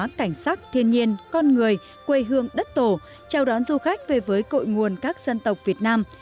cảnh sắc thiên nhiên con người quê hương đất tổ chào đón du khách về với cội nguồn các dân tộc việt nam